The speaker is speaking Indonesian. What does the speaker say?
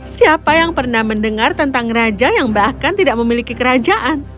siapa yang pernah mendengar tentang raja yang bahkan tidak memiliki kerajaan